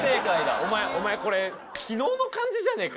お前お前これ昨日の漢字じゃねえか。